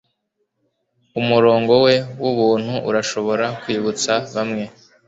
umurongo we wubuntu urashobora kwibutsa bamwe